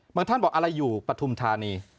เหมือนท่านบอกอะไรอยู่ปฐุมธานี